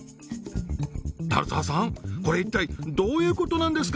足澤さんこれ一体どういうことなんですか？